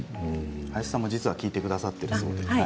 林さんも聞いてくださっているそうですね。